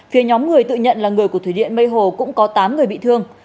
phía nhóm người tự nhận là người của thủy điện mây hồ cũng có tám người bị thương